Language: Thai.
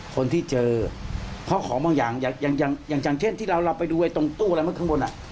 คนที่เจอเพราะของบางอย่างอย่างเช่นที่เราไปดูไว้ตรงตู้อะไรเมื่อข้างบน